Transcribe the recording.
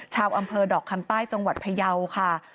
ชาวอำเภอดอกคำใต้จังหวัดพยาวค่ะ